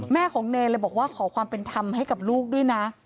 แม่ของเนรเลยบอกว่าขอความเป็นธรรมให้กับลูกด้วยนะ